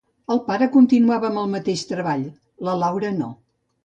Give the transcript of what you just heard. El pare continuava amb el mateix treball; la Laura, no.